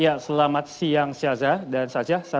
ya selamat siang siaza dan sajah